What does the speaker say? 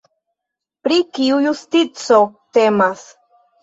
Pri kiu justico temas?